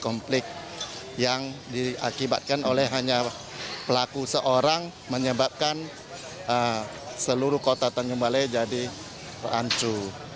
konflik yang diakibatkan oleh hanya pelaku seorang menyebabkan seluruh kota tanjung balai jadi ancur